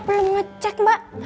belum ngecek mbak